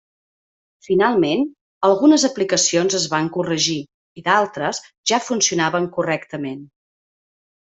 Finalment, algunes aplicacions es van corregir i d'altres ja funcionaven correctament.